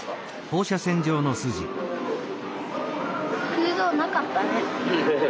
空洞なかったね。